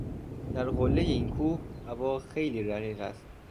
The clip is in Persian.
در قلهٔ این کوه هوا خیلی رقیق است.